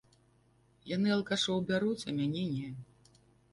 Яны алкашоў бяруць, а мяне не.